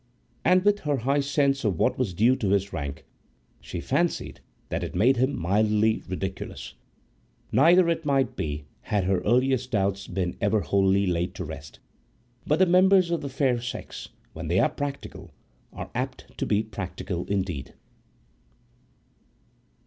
And, with her high sense of what was due to his rank, she fancied that it made him mildly ridiculous. Neither, it might be, had her earliest doubts been ever wholly laid to rest. But members of the fair sex, when they are practical, are apt to be very practical indeed.